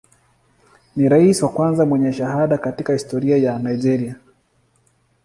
Ni rais wa kwanza mwenye shahada katika historia ya Nigeria.